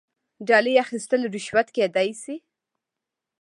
ډالۍ اخیستل رشوت کیدی شي